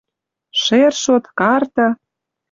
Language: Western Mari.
Шершот, карта —